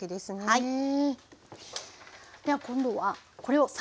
はい。